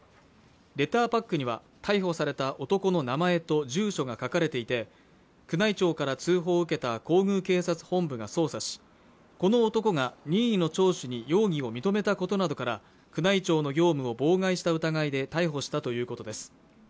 レターパックには逮捕された男の名前と住所が書かれていて宮内庁から通報を受けた皇宮警察本部が捜査しこの男が任意の聴取に容疑を認めたことなどから宮内庁の業務を妨害した疑いで逮捕したということです